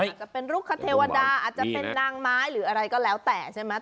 อาจจะเป็นลูกคเทวดาอาจจะเป็นนางไม้หรืออะไรก็แล้วแต่ใช่ไหม